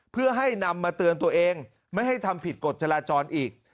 เพื่อให้นำมาเตือนตัวเองไม่ให้ทำผิดกฎจราจรอีก